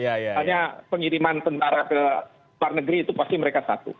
hanya pengiriman tentara ke luar negeri itu pasti mereka satu